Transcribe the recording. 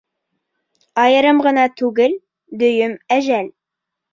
Айырым ғына түгел, дөйөм әжәл.